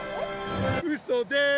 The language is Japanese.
うそです！